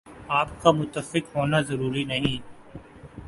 آپ کا متفق ہونا ضروری نہیں ۔